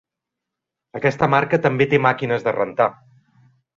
Aquesta marca també té màquines de rentar.